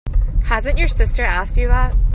Hasn't your sister asked you that?